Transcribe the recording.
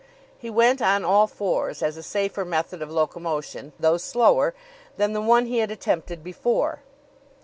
He went on all fours, as a safer method of locomotion, though slower, than the one he had attempted before.